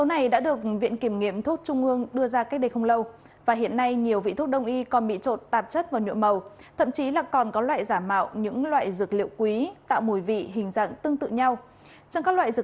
hãy đăng ký kênh để ủng hộ kênh của chúng mình nhé